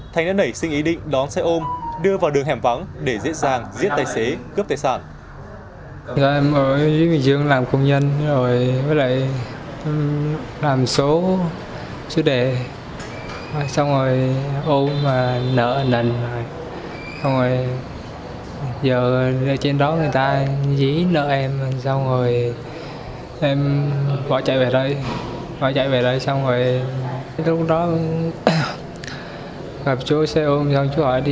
thành đã nảy sinh ý định đón xe ôm đưa vào đường hẻm vắng để dễ dàng giết tài xế cướp tài sản